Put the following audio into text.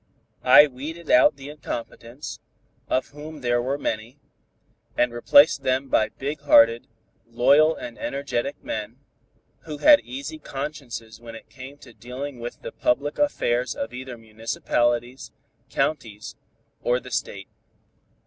I weeded out the incompetents, of whom there were many, and replaced them by big hearted, loyal and energetic men, who had easy consciences when it came to dealing with the public affairs of either municipalities, counties or the State.